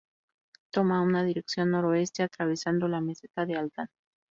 Toma una dirección noroeste atravesando la meseta de Aldán.